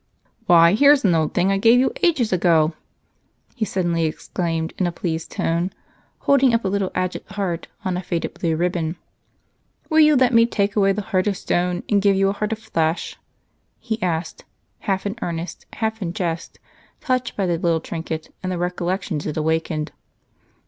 "Why, here's an old thing I gave you ages ago!" he suddenly exclaimed in a pleased tone, holding up a little agate heart on a faded blue ribbon. "Will you let me take away the heart of stone and give you a heart of flesh?" he asked, half in earnest, half in jest, touched by the little trinket and the recollections it awakened.